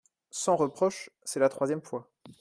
Sans reproches, c’est la troisième fois.